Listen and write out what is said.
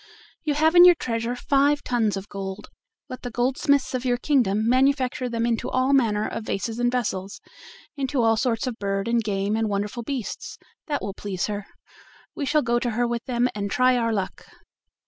You have in your treasure five tons of gold; let the goldsmiths of your kingdom manufacture them into all manner of vases and vessels, into all sorts of birds and game and wonderful beasts; that will please her. We shall go to her with them and try our luck."